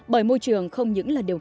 bởi môi trường không những là điều